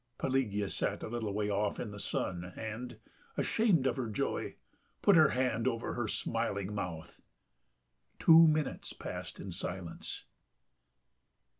Pelagea sat a little way off in the sun and, ashamed of her joy, put her hand over her smiling mouth. Two minutes passed in silence.